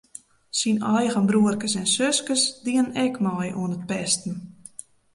Syn eigen broerkes en suskes dienen ek mei oan it pesten.